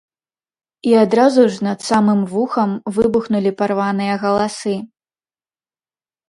І адразу ж, над самым вухам, выбухнулі парваныя галасы.